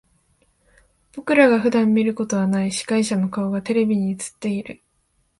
僕らが普段見ることはない司会者の顔がテレビに映っている。